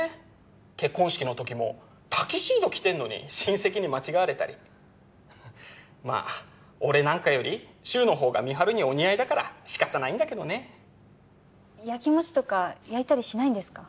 結婚式の時もタキシード着てんのに親戚に間違われたりまっ俺なんかより柊のほうが美晴にお似合いだからしかたないんだけどねやきもちとかやいたりしないんですか？